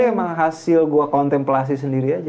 emang hasil gue kontemplasi sendiri aja